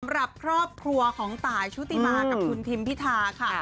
สำหรับครอบครัวของตายชุติมากับคุณทิมพิธาค่ะ